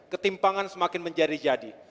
ketimpangan semakin menjadi jadi